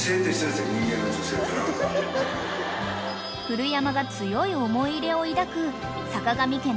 ［古山が強い思い入れを抱く］